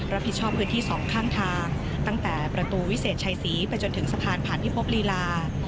พื้นที่สองข้างทางตั้งแต่ประตูวิเศษชัยศรีไปจนถึงสะพานผ่านพิภพลีลา